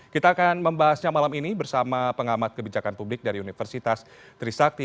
kita akan membahasnya malam ini bersama pengamat kebijakan publik dari universitas trisakti